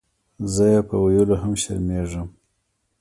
زۀ یې پۀ ویلو هم شرمېږم.